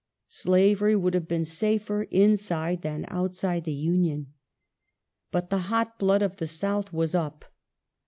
Slavery would have been safer inside than out side the Union. But the hot blood of the South was up.